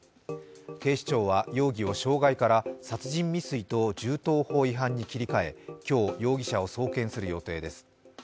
警視庁は容疑を傷害から殺人未遂と銃刀法違反に切り替え、今日、容疑者を送検する予定です。